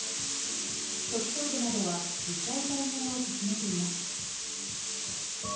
特捜部などは実態解明を進めています。